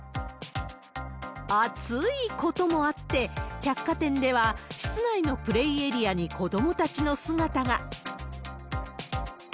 暑いこともあって、百貨店では、室内のプレイエリアに子どもたちの姿が。